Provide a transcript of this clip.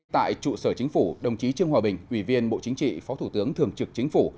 tại trụ sở chính phủ đồng chí trương hòa bình ủy viên bộ chính trị phó thủ tướng thường trực chính phủ